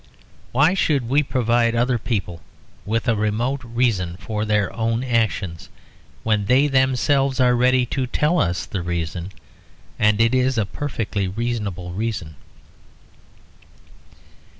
Why should we provide other people with a remote reason for their own actions, when they themselves are ready to tell us the reason, and it is a perfectly reasonable reason?